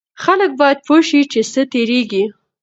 خلک باید پوه شي چې څه تیریږي.